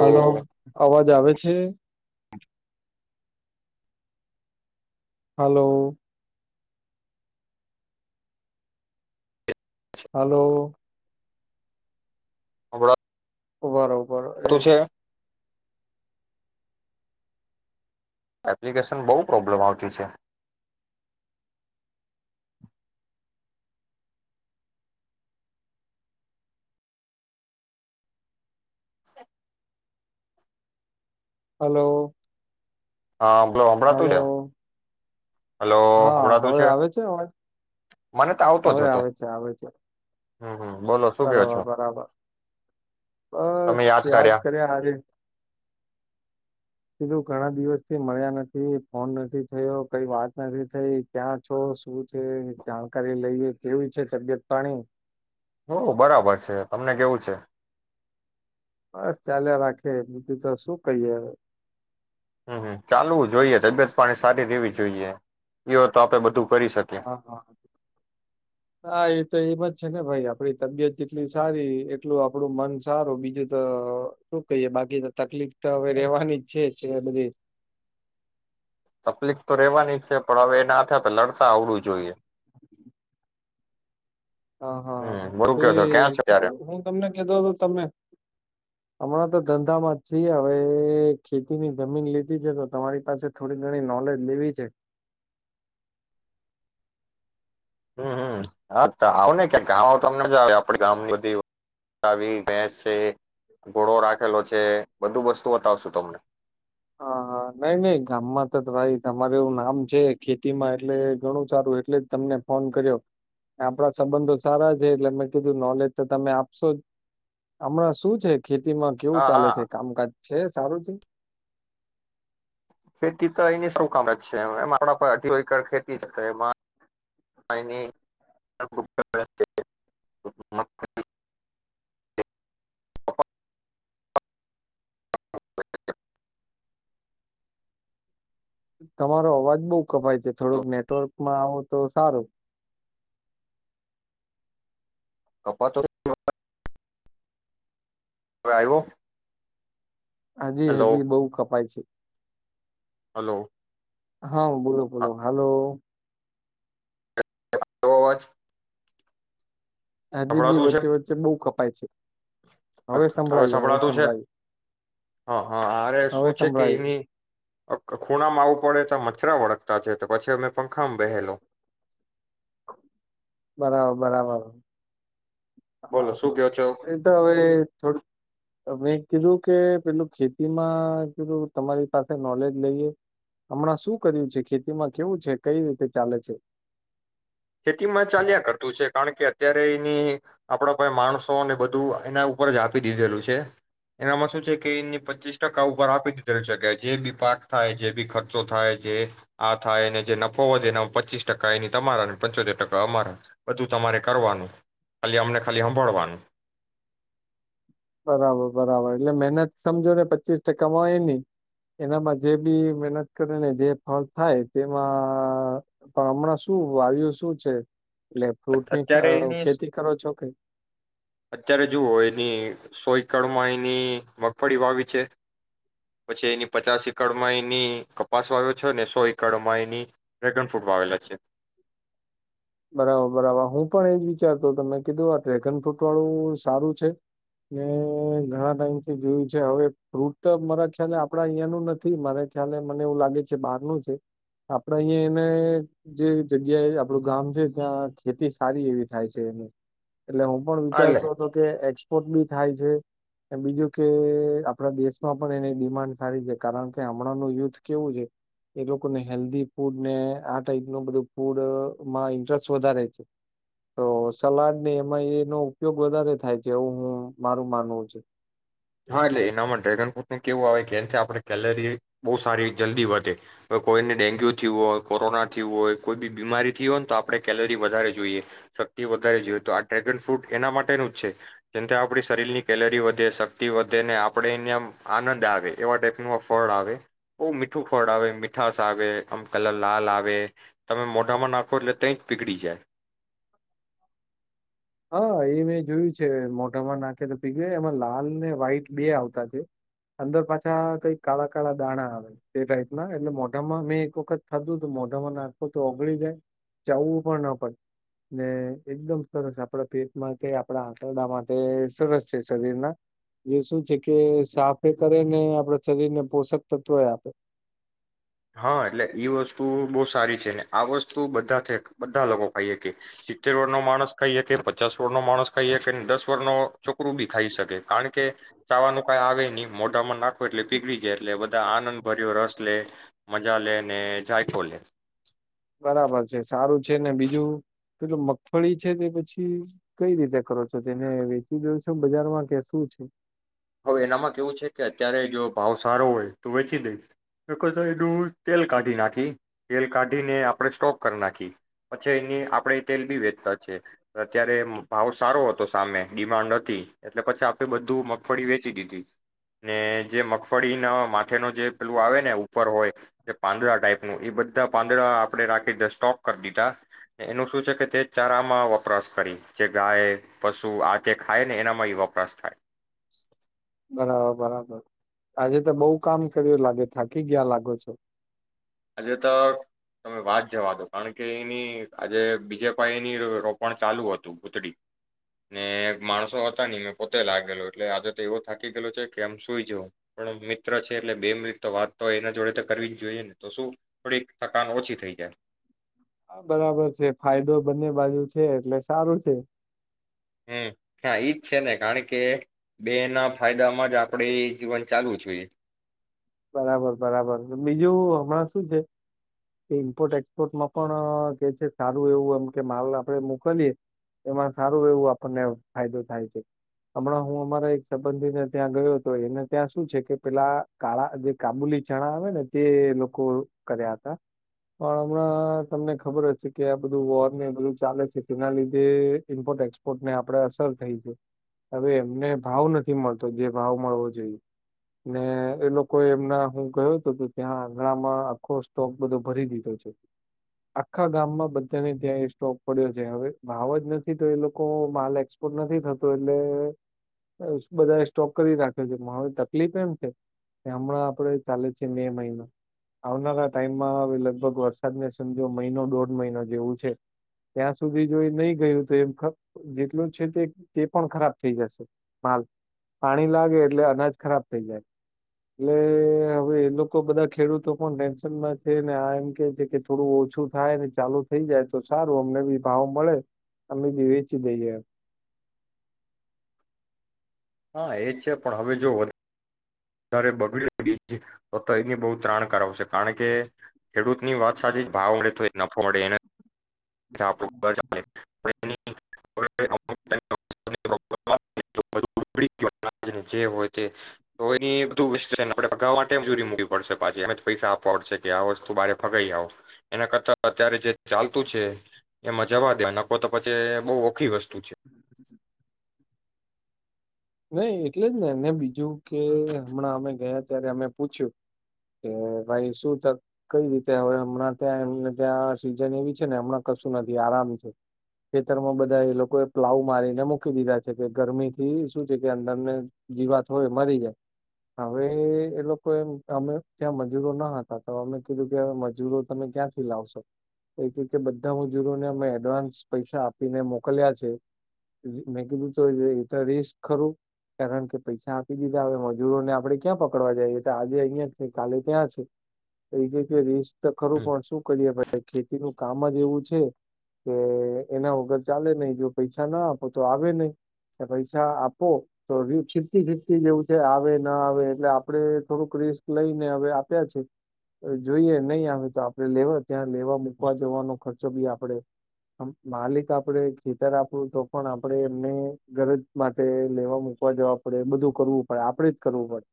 Hello, આવાજ. આવે છે? હાલો. હાલો. [unintelligible] ઉભારો [unintelligible] છે. એપ્લિકેશન, બહુ પ્રોબ્લેમ આવતી છે. સે હાલો. હા, હામડો, હમ્મડાતુ છે. હલો હા, હમણાં તું હવે આવે છે, હવે આવે છે આવે છે. હમ્મ, હમ્મ. બરાબર, બરાબર. બસ યાદ કર્યા હારી. કીધું ઘણા દિવસ થી મળ્યા નથી, ફોન નથી થયો, કઈ વાત નથી થઈ, ક્યાં છો, શું છે, જાણકારી લઈએ, કેવી છે તબિયત પાણી? હો! બરાબર છે, તમને કેવું છે? બસ ચાલયા રાખે, બીધું તો શું કહીયે હવે. હમ્મ હમ્મ ચાલવું જોઈએ તબિયત પાણી સારી રહેેવી જોઈએ એવ તો આપડે બધું. કરી શકીએ હા, હા, હા એ તો એમજ છે ને ભાઈ, આપડી તબિયત જેટલી સારી એટલું આપડું મન સારું બીજું તો શું કહીએ બાકી તો તકલીફ. તો હવે, રેવાની છેજ. છેે, બધી. તકલીફ તો રેવાની છે, પણ હવે એ ના થયા તો લડ તા આવડું જોઈએ. હા, હમ હા, બરું તે કયો છો ક્યાં છે ત્યારે પેલું હું તમને કતો હતો તને. હમણાં તો ધંધામાં જ છીએ હવે ખેતીની જમીન લીધી છે, તો તમારી પાસે થોડી ઘણી નોલેજ લેવી છે. હમ્મ હમ્મ હ તો આવને ક્યાંક ગવો તમને મજ આવે ગામની બધી ભેસ છે, ઘોડો રાખેલો છે, બધું વસ્તુ બતાવશું તમને. હ હ નઈ નઈ ગામમાં તો તમારી તમાર એવું નામ છે ખેતીમાં એટલે ઘણું સારું એટલે જ તમને ફોન કર્યો, આપડા સંબંધો સારા છે એટલે મેં કીધું નોલેજ તો તમે આપશો જ હમણાં શું છે. ખેતીમાં કેવું હા ચાલે છે હા કામકાજ. છે સારું છે. ખેતી તો એની સૌ કામ જ છે એમ આપણા અઢી એકર ખેતી છે એમાં [unintelligible] તમારો અવાજ બઉ કપાય છે થોડુક નેટવર્ક આવું તો, સારું. કપા તો [inaudible] આયવો? હાજી હજી બઉ કપાય છે. હાલો. હા બોલો બોલો હાલો. આયવો અવાજ? હજી બી સંભળાતું છે વચ્ચે વચ્ચે બવ કપ પાય છે. હવે સંભળાતું છે હા હા અરે હવે શું છે કે સંભળાયું એની ખૂણામાં આવું પડે તો મચ્છરા વળગતા છે તો પછી અમે પંખામાં બેહેલો બરાબર બરાબર. બોલો હા શું હા કયો છો એ તો હવે થોડું તમે કીધું કે પેલું ખેતીમાં કીધું તમારી પાસે નોલેજ લઈએ. હમણાં શું કર્યું છે, ખેતીમાં કેવું છે, કઈ રીતે ચાલે છે? ખેતીમાં ચાલ્યા કરતું છે. કારણ કે અત્યારે એની આપડા માણસોને બધું એના ઉપર જ આપી દીધેલું છે. એનામાં શું છે કે એની પચીસ ટકા ઉપર આપી દીધેલું છે કે જે બી પાક થાય, જે બી ખર્ચો થાય, જે આ થાય એને જે નફો વધે એના પચીસ ટકા એની તમારા પંચોતેર ટકા અમારા બધું તમારે કરવાનું ખાલી અમને ખાલી હમ્ભાળવાનું બરાબર બરાબર એટલે મહેનત સમજો ને પચીસ ટકામાંય નની એનામાં જે બી મહેનત કરે ને જે ફળ થાય તેમાં પણ હમણાં શું વાયુ શું છે? એટલે ફ્રૂટની સ અત્યારે એની, ખેતી કરો છો કે અત્યારે જુઓ એની સો એકડમાં એની મગફળી વાવી છે પછી એની પચાસ એકડમાં એની કપાસ વાવ્યો છે અને સો એકડમાં એની ડ્રેગન ફ્રૂટ વાવેલા છે. બરાબર-બરાબર હું પણ એજ વિચારતો તમે કીધું આ ડ્રેગન ફ્રૂટ વાળું સારું છે ને ઘણા ટાઈમથી જોયું છે હવે ફ્રૂટ તો મારા ખ્યાલે આપડા અહિયાયાનું નથી મારા ખ્યાલે મને એવું લાગે છે બહારનું છે, આપડે અહિયાં એને જે જગ્યાએ આપણું ગામ છે. ત્યાં ખેતી સારી એવી થાય છે એની. એટલે હું પણ હા, એટલે વિચારતો હતો કે એક્સપોર્ટ બી થાય છે બીજું કે આપણા દેશમાં પણ એની ડિમાન્ડ સારી છે કારણ કે હમણાંનું યુથ કેવું છે, એ લોકોને હેલ્ધી ફૂડ ને આ ટાઈપ ન બધું ફૂડમાં ઇન્ટ રસ વધારે છે તો સલાડને એમાં એનો ઉપયોગ વધારે થાય છે એવું હું મારું માનવું છે. જેમથી આપણે કેલરી બહુ સારી જલ્દી વધે હવે કોઈને ડેન્ગ્યુ થયું હોય, કોરોના થયું હોય, કોઈ બી બીમારી થયું હોય ને તો આપણે કેલરી વધારે જોઈએ, શક્તિ વધારે જોઈએ, તો આ ડ્રેગન ફ્રૂટ એના માટેનું જ છે જેમથી આપણી શરીરની કેલરી વધે શક થી વધે ને આપણે એને આમ આનંદ આવે એવા ટાઈપનું આ ફળ આવે બહુ મીઠું ફળ આવે મીઠાસ આવે આમ કલર લાલ આવે તમે મોઢામાં નાખો એટલે ત જ પીગળી જાય. હા એ મેં જોયું છે મોઢામાં નાખે તો પી ગું એમાં લાલ ને વ્હાઈટ બે આવતા છે, અંદર પાછા કઈક કાળા કાળા દાણા આવે તે ટાઈપ ના એટલે મોઢામાં મેં એક વખત થતું મોઢામાં નાખું તો ઓગળી જાય ચાવવું પણ ન પડે ને એકદમ સરસ આપણા પેટ માટે આપણા આંતરડા માટે સરસ છે શરીરના એ શું છે કે સાફે કરેને આપણા શરીર ને પોષક તત્વ આપે. હા એટલે ઈ વસ્તુ બહુ સારી છે આ વસ્તુ બધા છે બધા લોકો આઈએ કે ચિત્તેર વર્ડ નો માણસ ખાઈએ કે પચાસ વર્ષનો માણસ ખાઈએ કે દસ વર્ષનો છોકરું બી ખાઈ શકે કારણ કે ચાવાનું કઈ આવે નહી મોઢામાં ના એટલે પીગળી જાય એટલે બધા આનંદ ભર્યો રસ લે. મજા લે ને જાયકો લે. બરાબર છે સારું. છે ને બીજું પેલે મગફળી છે તે પછી કઈ રીતે કરો છો તેને વેચી દઉ છો બજારમાં કે શું છે? હવે એનામાં કેવું છે કે અત્યારે જો ભાવ સારો હોય તો વેચી દઈશ એનું તેલ કાઢી નાખી. તેલ કાઢીને આપણે સ્ટોક કરી નાખી પછી એની આપણે તેલ બી વેચતા છે અત્યારે ભાવ સારો હતો સામે ડિમાન્ડ હતી એટલે પછી આપે બધું મ મગફળી વેચી દીધી ને જે મગફળીના માથે ન જે પેલું આવે ને ઉપર હોય પાંદડા ટાઈપનું એ બધા પાંદડા આપણે રાખી સ્ટોક કરી દીધા, એનું શું છે કે તે ચારામાં વપરાશ કરી જે ગાય પશુ આ જે ખાય ને એનામાં એ વપરાશ થાય બરાબર, બરાબર આજે તો બઉ કામ કર્યું લાગે, થાકી ગીયા લાગો છો. આજે તો તમે વાત જવા દો કારણકે એની આજે બીજા પાય એની રોપણ ચાલુ હતું ગૂતડી, ને માણસો હતા ની મેં પોતે લાગેલો એટલે આજે તો એવો થાકી ગયેલો છે કે આમ સુઈ જવ, પણ મિત્ર છે એટલે બે મિનિટ વાત તો એના જોડે તો કરવીજ જોઈએ ને. તો શું થોડીક થકાન ઓછી થઈ જાય. હા, બરાબર છે ફાયદો બંને બાજુ છે એટલે સારું છે. હમ્મ, હા ઈજ છે ને, કારણકે બે ના ફાયદામાં જ આપડે જીવન ચાલવું જોઈએ. બરાબર, બરાબર. બીજું હમણાં શું છે, ઇમ્પોર્ટ એક્સપોર્ટમાં પણ કે છે સારું એવું એમ કે માલ આપે મોકલીએ એમાં સારું એવું આપણને ફાયદો થાય છે. હમણાં હું અમારા એક સંબંધીને ત્યાં ગયો હતો એને ત્યાં શું છે કે પેલા કાળા આ જે કાબુલી ચણા આવે ને તે લોકો કર્યા હતા પણ હમણાં તમને ખબરજ છે કે આ બધું વોર ને બધું ચાલે છે તેના લીધે ઈમપોર્ટ એક્સપોર્ટ ને આપણે અસર થઈ છે. હવે એમને ભાવ નથી મળતો જે ભાવ મળવો જોઈએ ને એ લોક કો એમના હું ગયો હતો તો ત્યાં આંગણામાં આખો સ્ટોક બધો ભરી દીધો છે. આખા ગામમાં બધાને ત્યાં એ સ્ટોક પડ્યો છે. હવે ભાવ જ નથી તો એ લોકો માલ એક્સપોર્ટ નથી થતો, એટલે બધા એ સ્ટોક કરી રાખ્યો છે હવે તકલીફ એમ છે હમણાં આપડે ચાલે છે મે મહિનો આવનારા ટાઈમમાં હવે લગભગ વરસાદને સમજો મહિનો દોઢ મહિનો જેવું છે ત્યાં સુધી જો એ નહી ગયું તો એમ ખ જેટલું છે તે તે પણ ખરાબ થઈ જશે, માલ. પાણી લાગે એટલે અનાજ ખરાબ થઈ જાય. એટલે હવે એ લોકો બધા ખેડૂતો પણ ટેન્શનમાં છે ને આ એમ કે છે કે થોડું ઓછું થાય ચાલુ થઈ જાય તો સારું અમને બી ભાવ મળે અમે બી વેચી દઈએ એમ. હા, એ છે પણ હવે જો વધ ધારે બગડ્યું [unintelligible] તો [unintelligible] ત્રાણ કરાવશે કારણ કે ખેડૂતની વાત સાચી છે. ભાવ મળડે તો એ નફો મળે [unintelligible] [unintelligible] ચાલે. [unintelligible] [inaudible] જે હોય તે એ બધુ [unintelligible] મૂકીવી પડશે પાછી એ જ પૈસા આપવા પડશે કે આ વસ્તુ બારે ફગાવાઈ આવ, એના કરતા અત્યારે જે ચાલતું છે એમાં જવા દે નફો તો પછી બો ઓખી વસ્તુ છે. નહી એટલે જ ને ને બીજું કે હમણાં અમે ગયા ત્યારે અમે પૂછ્યું કે ભાઈ શું ત કઈ રીતે હવે, હમણાં ત્યાં એમને ત્યાં સીઝન એવી છે ને હમણાં કશું નથી, આરામ છે, ખેતરમાં બધા એ લોકો એ પ્લાવ મારીને મૂકી દીધા છે, કે ગરમી થી શું છે કે અંદરને જીવાત હોય મરી જાય. હવે એ લોકો અમે ત્યાં મજૂરો ના હતા, તો અમે કીધું કે મજૂરો તમે ક્યાંથી લાવશો એ કે બધા મજૂરોને અમે એડવાન્સ પૈસા આપીને મોકલ્યા છે. મેં કીધું એ તો રિસ્ ખરું કારણકે પૈસા આપી દીધા હવે મજૂરોને આપડે ક્યાં પકડવા જઈએ ત આજે અહિયાં છે, કાલે ત્યાં છે. તો એ કે રીસ ક તો ખરું પણ શું કરીએે ભાઈ. ખેતી નું કામ જ એવું છે કે એના વગર ચાલે નઈ, જો પૈસા ના આપો તો આવે નઈ ને પૈસા આપ પો ફીફતી ફીફતી જેવું છે આવે ના આવે, એટલે આપડ થોડુંક રિસ્ક લઈને હવે આપ્યા છે, જોઈએ નહીં આવે તો આપડે લેવા ત્યાં લેવા મૂકવા જવાનો ખર્ચો બી આપડે, માલિક આપડે ખેતર આપડુ તો પણ આપડે એમને ગરજ માટે તે લેવા મુકવા જવા પડે, બધું કરવું પડે, આપડે જ કરવું પડે.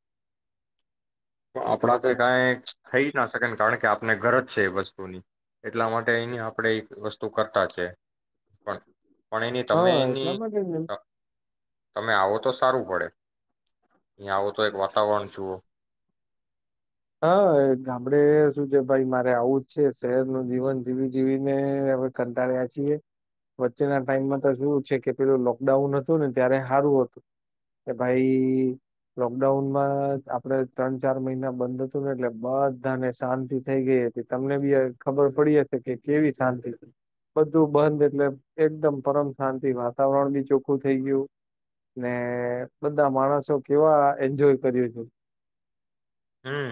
પણ આપણા એટલે કાઈ થઈ ન શકે ને. કારણ કે આપને ગરજ છે એ વસ્તુની, એટલા માટે એની આપણે એક વસ્તુ કરતા જાય. પણ પણ એની તમે હા એટલા એની માટેજ ને. તમે આવો તો સારું પડે. અહીંયા આવો તો એક વાતાવરણ જુઓ. હા એ ગામડે શું છે ભાઈ મારે આવું જ છે, શહેરનું જીવન જીવી જીવીને હવે કંટાળ્યા છીએ, વચ્ચેના ટાઈમમાં તો કેવુ છે કે પેલું લોકડાઉન હતું ને ત્યારે હારુ હતું. કે ભાઈ લોકડાઉનમાં આપણે ત્રણ ચાર મહિના બંધ હતું ને એટલે બધાને શાંતિ થઈ ગઈ હતી. તમને બી હ ખબર પડી હશે કે કેવી શાંતિ, બધું બંધ એટલે એકદમ પરમ શાંતિ વાતાવરણ બી ચોખ્ખું થઈ ગયું ને બધા માણસો કેવા એન્જોય કર્યું છે. હમ્મ,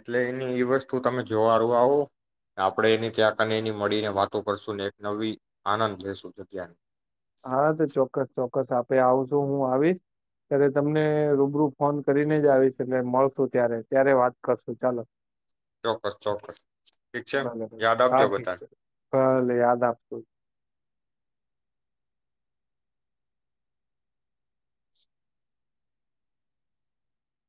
એટલે એની એ વસ્તુ તમે જોવાળવા આવો આપણે એની [unintelligible] એની મળીને વાતો કરશું ને એક નવી આનંદ લેેશું જગ્યાની. હા તો ચોક્કસ-ચોક્કસ આપે આવશું, હું આવીશ ત્યારે તમને રૂબરૂ ફોન કરીને જ આવીશ, એટલે મળશુ ત્યારે ત્યારે વાત કરશું ચાલો. ચોક્કસ ચોક્કસ ઠીક છે ભલે યાદ હા આપજો ઠીક બધાને છે. ભલે યાદ આપશું.